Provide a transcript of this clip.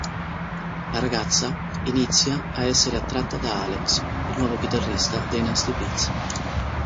La ragazza inizia a essere attratta da Alex, il nuovo chitarrista dei Nasty Bits.